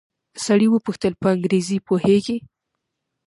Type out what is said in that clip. سړي وپوښتل په انګريزي پوهېږې.